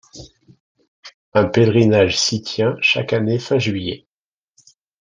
Un pèlerinage s'y tient chaque année fin juillet.